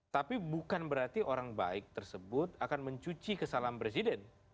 tapi bukan berarti orang baik tersebut akan mencuci kesalahan presiden